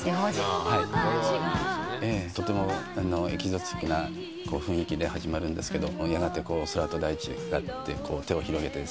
とてもエキゾチックな雰囲気で始まるんですけどやがて「空と大地が」って手を広げてですね